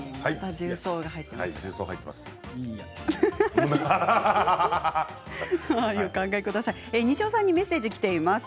重曹が入っていますよ。